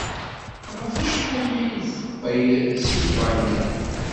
Ɣef wacḥal ay d-teqqel seg tbanka?